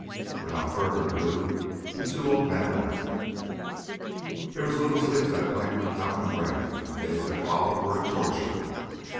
Without further ado the two old men left. There was little sleep that night for Calvin Gray, and the days that followed were a torture.